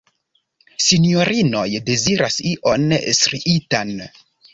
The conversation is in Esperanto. Sinjorinoj deziras ion striitan!